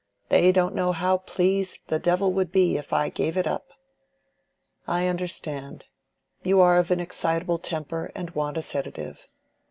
They don't know how pleased the devil would be if I gave it up." "I understand. You are of an excitable temper and want a sedative.